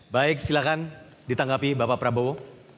baik silakan ditanggapi bapak prabowo